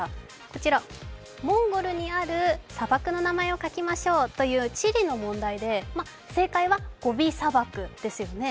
こちら、モンゴルにある砂漠の名前を書きましょうという地理の問題で、正解はゴビ砂漠ですよね。